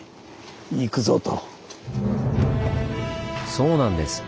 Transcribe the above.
そうなんです。